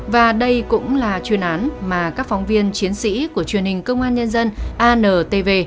và đây cũng là chuyên án mà các phóng viên chiến sĩ của truyền hình công an nhân dân antv